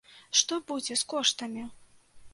Што будзе з коштамі?